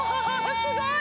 すごい！